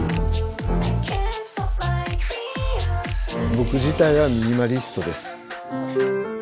僕自体はミニマリストです。